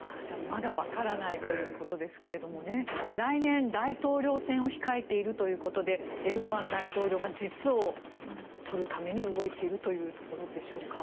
まだわからないということですが来年、大統領選を控えているということでエルドアン大統領は実を取るために動いているというところでしょうか。